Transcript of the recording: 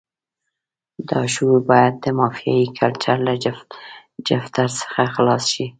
دا شعور باید د مافیایي کلچر له جفتر څخه خلاص شي.